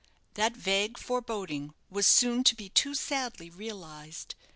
That vague foreboding was soon to be too sadly realized!